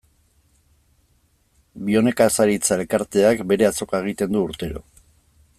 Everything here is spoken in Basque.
Bionekazaritza elkarteak bere azoka egiten du urtero.